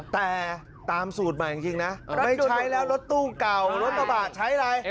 แต่ตามสูตรใหม่จริงนะไม่ใช้แล้วรถตู้เก่ารถกระบะใช้อะไร